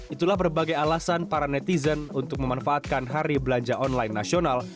itulah berbagai alasan para netizen untuk memanfaatkan hari belanja online nasional